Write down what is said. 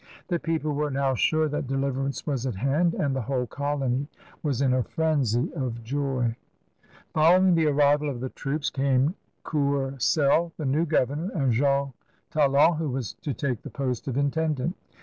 The people were now sure that deliverance was at hand, and the whole colony was in a frenzy of joy. THE AGE OF LOUIS QUATORZE 75 Following the arrival of the troops came Cour celle, the new governor, and Jean Talon, who was to take the post of mtendant.